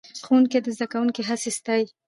ښوونکی د زده کوونکو هڅې ستایي